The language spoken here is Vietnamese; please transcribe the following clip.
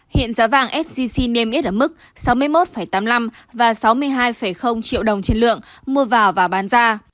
hiện giá vàng sgc niêm yết ở mức sáu mươi một tám mươi năm và sáu mươi hai triệu đồng trên lượng mua vào và bán ra